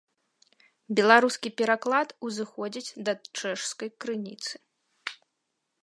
Беларускі пераклад узыходзіць да чэшскай крыніцы.